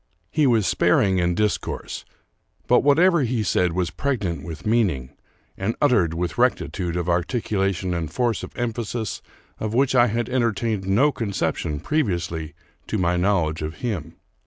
He was sparing in discourse ; but whatever he said was pregnant with meaning, and uttered with rectitude of articu lation and force of emphasis of which I had entertained no conception previously to my knowledge of him.